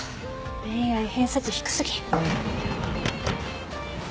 恋愛偏差値低過ぎ。